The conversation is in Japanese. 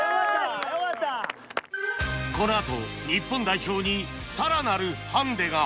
このあと日本代表に更なるハンデが